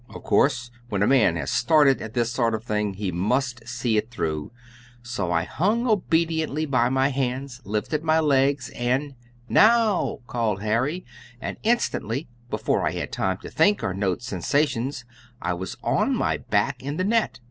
'" Of course, when a man has started at this sort of thing he must see it through, so I hung obediently by my hands, lifted my legs, and "Now," cried Harry, and instantly, before I had time to think or note sensations, I was on my back in the net.